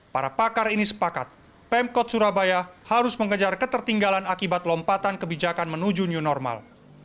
para pakar ini sepakat pemkot surabaya harus mengejar ketertinggalan akibat lompatan kebijakan menuju new normal